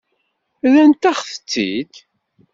Rrant-aɣ-tt-id.